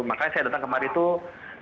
makanya saya datang kemarin tuh